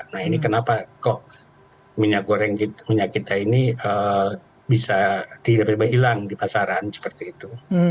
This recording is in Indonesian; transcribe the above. nah ini kenapa kok minyak goreng minyak kita ini bisa tidak hilang di pasaran seperti itu